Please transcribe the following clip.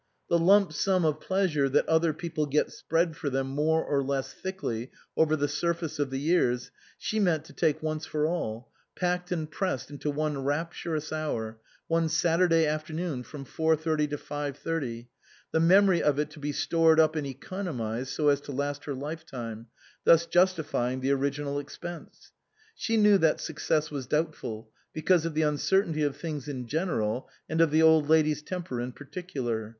The lump sum of pleasure that other people get spread for them more or less thickly over the surface of the years, she meant to take once for all, packed and pressed into one rapturous hour, one Saturday afternoon from four thirty to five thirty, the memory of it to be stored up and economised so as to last her life time, thus justifying the original expense. She knew that success was doubtful, because of the uncertainty of things in general and of the Old Lady's temper in particular.